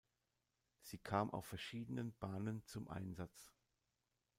Sie kam auf verschiedenen Bahnen zum Einsatz.